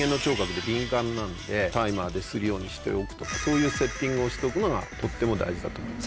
タイマーでするようにしておくとかそういうセッティングをしておくのがとっても大事だと思います。